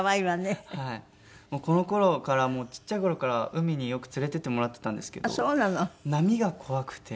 もうこの頃からちっちゃい頃から海によく連れていってもらってたんですけど波が怖くて。